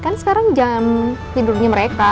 kan sekarang jam tidurnya mereka